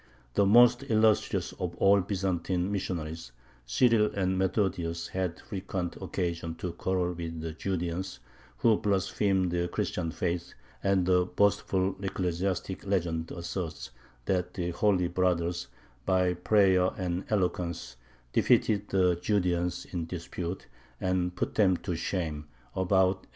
The most illustrious of all Byzantine missionaries, Cyril and Methodius, had frequent occasion to quarrel with "the Judeans, who blaspheme the Christian faith," and the boastful ecclesiastic legend asserts that the holy brothers "by prayer and eloquence defeated the Judeans [in disputes] and put them to shame" (about 860).